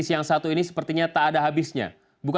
saya aminkan pak